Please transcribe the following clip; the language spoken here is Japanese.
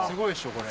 これ。